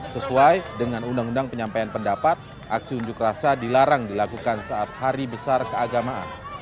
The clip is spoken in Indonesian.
sesuai dengan undang undang penyampaian pendapat aksi unjuk rasa dilarang dilakukan saat hari besar keagamaan